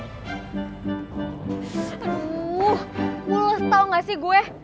aduh gue tau gak sih gue